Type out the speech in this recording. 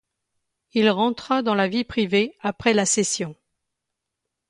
Il rentra dans la vie privée après la session.